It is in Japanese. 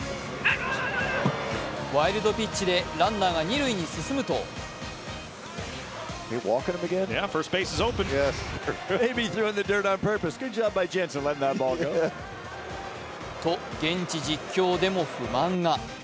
ワイルドピッチでランナーが二塁に進むとと現地実況でも不満が。